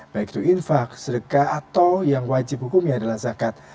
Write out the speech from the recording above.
baik itu infak sedekah atau yang wajib hukumnya adalah zakat